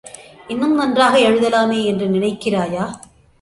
இன்னும் நன்றாக எழுதலாமே என்று நினைக்கிறாயா?